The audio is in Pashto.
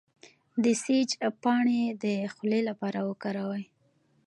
د سیج پاڼې د خولې لپاره وکاروئ